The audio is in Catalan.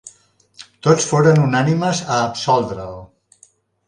Tots foren unànimes a absoldre'l.